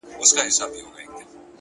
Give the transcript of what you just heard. د زړه صفا د وجدان سکون دی؛